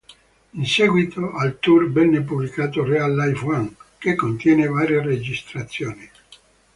In seguito al tour venne pubblicato "A Real Live One", che contiene varie registrazioni.